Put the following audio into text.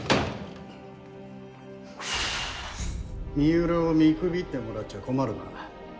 三浦を見くびってもらっちゃ困るなあ。